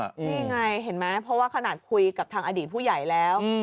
นี่ไงเห็นไหมเพราะว่าขนาดคุยกับทางอดีตผู้ใหญ่แล้ว